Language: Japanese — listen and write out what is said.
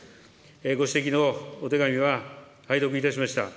ご指摘のお手紙は拝読いたしました。